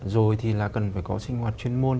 rồi thì là cần phải có sinh hoạt chuyên môn